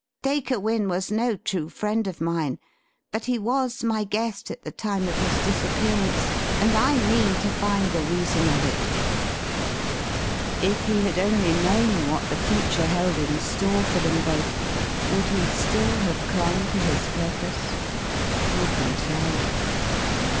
Dacre Wynne was no true friend of mine, but he was my guest at the time of his disappearance, and I mean to find the reason of it." If he had only known what the future held in store for them both, would he still have clung to his purpose? Who can tell?